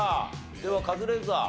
ではカズレーザー。